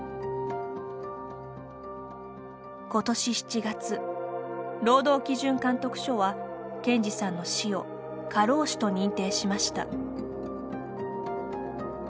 今年７月、労働基準監督署は健司さんの死を過労死と認定しました。